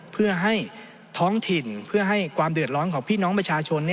เพื่อให้ท้องถิ่นเพื่อให้ความเดือดร้อนของพี่น้องประชาชน